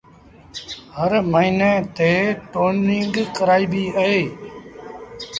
هر موهيݩي تي ٽونيٚنگ ڪرآئيبيٚ اهي